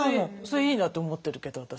それいいなと思ってるけど私。